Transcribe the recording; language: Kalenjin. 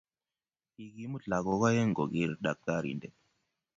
Kikimut lagok oeng koger daktarinte